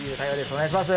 お願いします